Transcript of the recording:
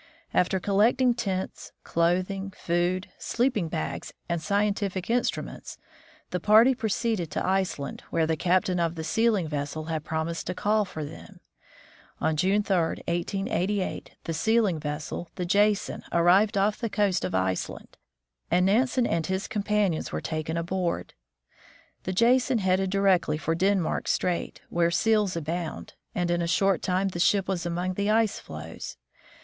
After collecting tents, clothing, food, sleeping bags, and scientific instruments, the party proceeded to Iceland, where the captain of the sealing vessel had promised to call for them. On June 3, 1888, the sealing vessel, the Jason, arrived off the coast of Iceland, and Nansen and his companions were taken aboard. The Jasoji headed directly for Denmark strait, where seals abound, and in a short time the ship was among the ice floes.